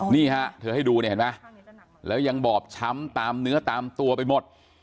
นี่ฮะเธอให้ดูเนี่ยเห็นไหมแล้วยังบอบช้ำตามเนื้อตามตัวไปหมด